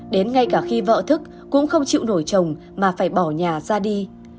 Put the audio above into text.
đến ngay cả khi vợ thức cũng không chịu nổi chồng mà phải bỏ nhà ra đi